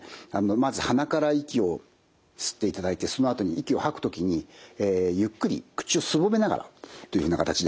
まず鼻から息を吸っていただいてそのあとに息を吐く時にゆっくり口をすぼめながらフッというふうな形で吐く。